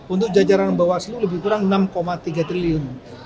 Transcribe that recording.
untuk jajaran bawaslu lebih kurang enam tiga triliun